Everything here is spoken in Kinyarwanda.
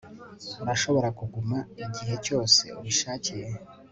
urashobora kuguma igihe cyose ubishakiye